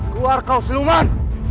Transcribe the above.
keluar kau siluman